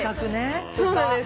そうなんです。